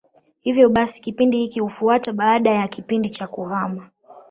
Hivyo basi kipindi hiki hufuata baada ya kipindi cha kuhama.